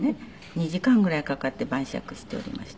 ２時間ぐらいかかって晩酌しておりました。